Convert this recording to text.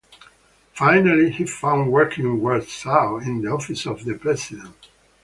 Finally he found work in Warsaw, in the offices of the President.